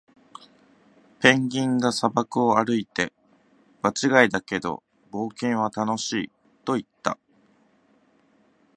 ペンギンが砂漠を歩いて、「場違いだけど、冒険は楽しい！」と言った。